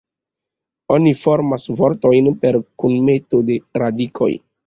Oni formas vortojn per kunmeto de radikoj.